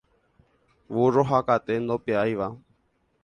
Vúrro ha kate ndopiávai.